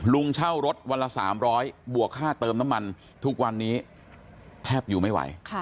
เช่ารถวันละ๓๐๐บวกค่าเติมน้ำมันทุกวันนี้แทบอยู่ไม่ไหว